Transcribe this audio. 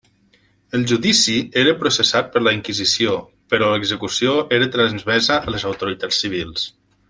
El judici era processat per la inquisició però l'execució era transmesa a les autoritats civils.